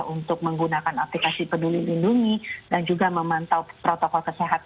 untuk menggunakan aplikasi peduli lindungi dan juga memantau protokol kesehatan